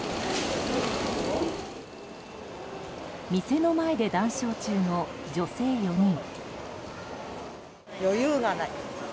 店の前で談笑中の女性４人。